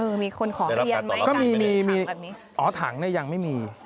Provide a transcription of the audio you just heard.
เออมีคนขอเรียนมั้ยกันเป็นถังแบบนี้ได้รับแพทย์ต่อรับไหมจริงจริงอ๋อถังเนี่ยยังไม่มี